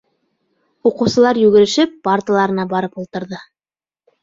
Уҡыусылар йүгерешеп парталарына барып ултырҙы.